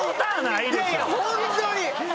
いやいや本当に！